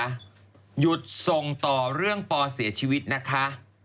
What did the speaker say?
หยุดส่งต่อเรื่องปอเสียชีวิตนะคะ